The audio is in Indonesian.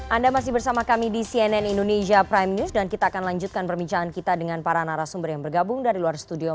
anda masih bersama kami di cnn indonesia prime news dan kita akan lanjutkan perbincangan kita dengan para narasumber yang bergabung dari luar studio